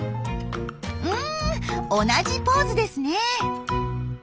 うん同じポーズですね！